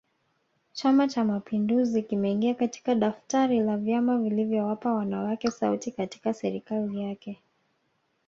Chama Cha mapinduzi kimeingia katika daftari la vyama vilivyowapa wanawake sauti katika serikali yake